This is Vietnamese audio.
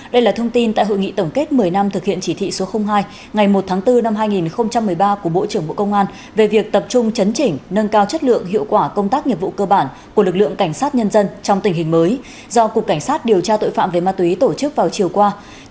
đây là thông tin tại hội nghị tổng kết một mươi năm thực hiện chỉ thị số hai ngày một tháng bốn năm hai nghìn một mươi ba của bộ trưởng bộ công an về việc tập trung chấn chỉnh nâng cao chất lượng hiệu quả công tác nghiệp vụ cơ bản của lực lượng cảnh sát nhân dân trong tình hình mới do cục cảnh sát điều tra tội phạm về ma túy tổ chức vào chiều qua